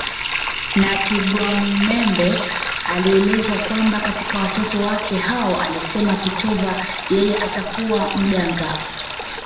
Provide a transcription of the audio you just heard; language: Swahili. na Kigwamumembe inaelezwa kwamba katika watoto wake hao alisema kitova yeye atakuwa mganga